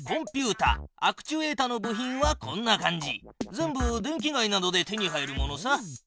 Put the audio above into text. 全部電気街などで手に入るものさ。